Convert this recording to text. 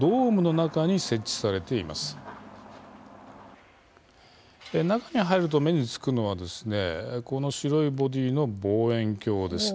中に入ると目につくのは白いボディーの望遠鏡です。